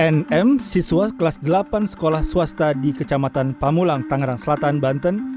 nm siswa kelas delapan sekolah swasta di kecamatan pamulang tangerang selatan banten